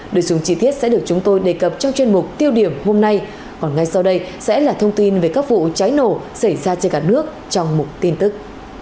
đối dùng chi tiết sẽ được chúng tôi đề cập trong chuyên mục tiêu điểm hôm nay còn ngay sau đây sẽ là thông tin về các vụ cháy nổ xảy ra trên cả nước trong mục tin tức